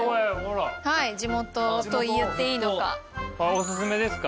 おすすめですか？